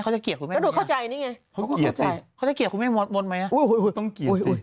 เขาจะเกลียดคุณแม่งไหมล่ะเขาจะเกลียดสิเขาจะเกลียดคุณแม่งมดไหมล่ะต้องเกลียดสิ